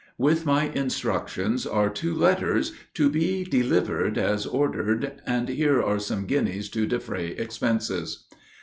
With my instructions, are two letters, to be delivered as ordered, and here are some guineas to defray expenses."